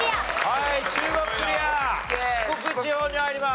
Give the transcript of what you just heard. はい。